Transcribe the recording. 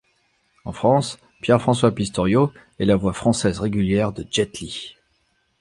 En France, Pierre-François Pistorio est la voix française régulière de Jet Li.